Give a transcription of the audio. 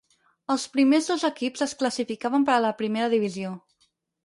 Els primers dos equips es classificaven per a la primera divisió.